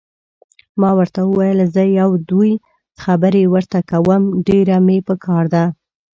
ما ورته وویل: زه یو دوې خبرې ورته کوم، ډېره مې پکار ده.